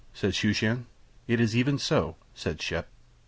said Shooshan. "It is even so," said Shep.